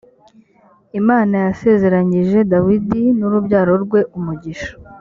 imana yasezeranyije dawidi n ‘urubyaro rwe umugisha.